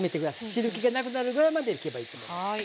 汁けがなくなるぐらいまでいけばいいと思います。